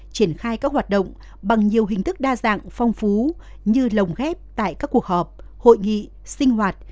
triển khai các hoạt động bằng nhiều hình thức đa dạng phong phú như lồng ghép tại các cuộc họp hội nghị sinh hoạt